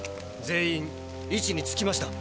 全員いちにつきました。